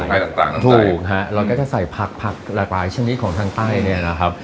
เกองละครับต่างต่างตามใจถูกเราจะใส่ผักผักหลากหลายชนิดของทางใต้เนี่ยนะครับ